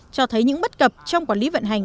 cho thấy những bất cập trong quản lý vận hành